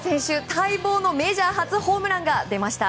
待望のメジャー初ホームランが出ました。